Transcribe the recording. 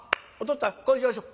っつぁんこうしましょう。